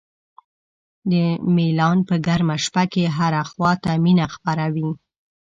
د میلان په ګرمه شپه کې هره خوا ته مینه خپره وي.